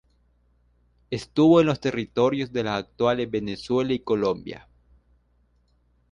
Estuvo en los territorios de las actuales Venezuela y Colombia.